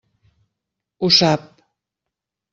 Ho sap.